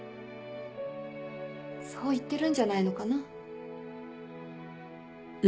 そう言ってるんじゃないのかな。